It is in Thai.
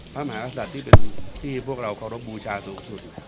พระมหากษัตริย์ที่เป็นที่พวกเราเคารพบูชาสูงสุด